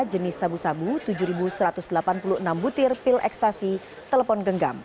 jenis sabu sabu tujuh satu ratus delapan puluh enam butir pil ekstasi telepon genggam